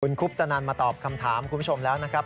คุปตนันมาตอบคำถามคุณผู้ชมแล้วนะครับ